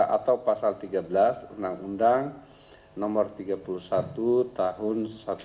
atau pasal tiga belas undang undang nomor tiga puluh satu tahun seribu sembilan ratus sembilan puluh